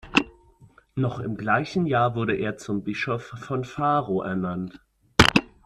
Noch im gleichen Jahr wurde er zum Bischof von Faro ernannt.